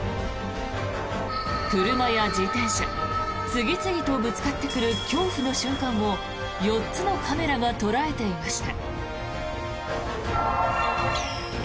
車や自転車次々とぶつかってくる恐怖の瞬間を４つのカメラが捉えていました。